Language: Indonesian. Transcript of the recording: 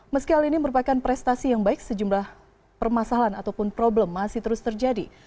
meski hal ini merupakan prestasi yang baik sejumlah permasalahan ataupun problem masih terus terjadi